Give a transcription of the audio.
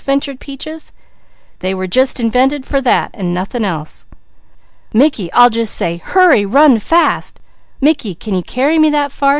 ventured Peaches. "They were just invented for that, and nothing else." "Mickey, I'll just say, 'Hurry! Run fast!' Mickey, can you carry me that far?"